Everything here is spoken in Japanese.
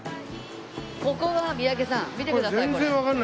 ここは三宅さん見てくださいこれ。